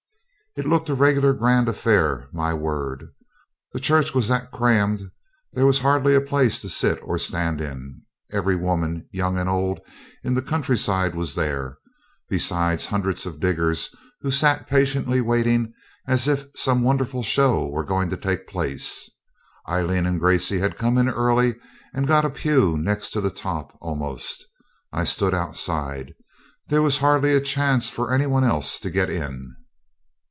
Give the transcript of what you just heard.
It looked a regular grand affair, my word. The church was that crammed there was hardly a place to sit or stand in. Every woman, young and old, in the countryside was there, besides hundreds of diggers who sat patiently waiting as if some wonderful show were going to take place. Aileen and Gracey had come in early and got a pew next to the top almost. I stood outside. There was hardly a chance for any one else to get in.